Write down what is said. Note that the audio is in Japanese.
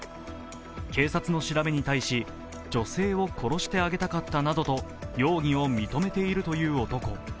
警察の調べに対し、女性を殺してあげたかったなどと容疑を認めているという男。